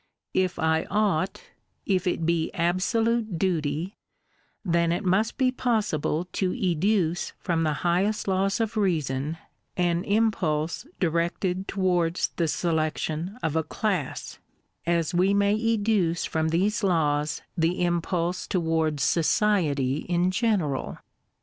If I ought, — if it be absolute duty, then it must be possible to educe from the highest laws of Reason an impulse directed towards the selection of a class, as we may educe from these laws the impulse towards society in general.